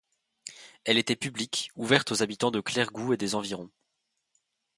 Elle était publique, ouverte aux habitants de Clergoux et des environs.